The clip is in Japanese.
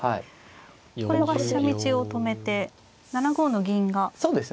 これは飛車道を止めて７五の銀が取れそうですね。